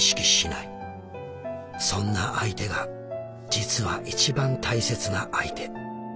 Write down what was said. そんな相手が実はいちばん大切な相手。